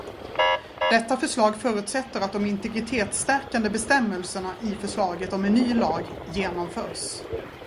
Detta förslag förutsätter att de integritetsstärkande bestämmelserna i förslaget om en ny lag genomförs.